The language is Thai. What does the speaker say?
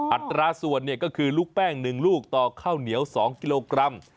อัตราส่วนก็คือลูกแป้ง๑ลูกต่อข้าวเหนียว๒กิโลกรัม